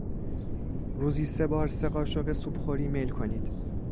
روزی سه بار سه قاشق سوپ خوری میل کنید.